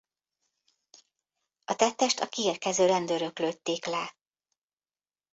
A tettest a kiérkező rendőrök lőtték le.